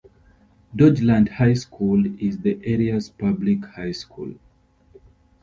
Dodgeland High School is the area's public high school.